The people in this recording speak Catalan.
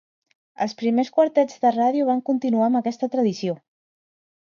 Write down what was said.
Els primers quartets de ràdio van continuar amb aquesta tradició.